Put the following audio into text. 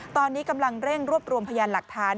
ตอนนี้กำลังเร่งรวบรวมพยานหลักฐาน